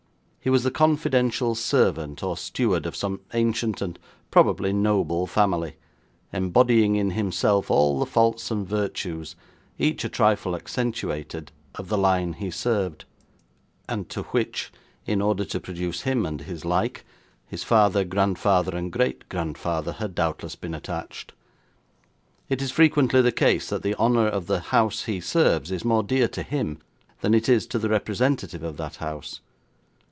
He was the confidential servant or steward of some ancient and probably noble family, embodying in himself all the faults and virtues, each a trifle accentuated, of the line he served, and to which, in order to produce him and his like, his father, grandfather, and great grandfather had doubtless been attached. It is frequently the case that the honour of the house he serves is more dear to him than it is to the representative of that house.